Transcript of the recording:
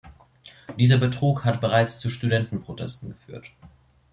Dieser Betrug hat bereits zu Studentenprotesten geführt.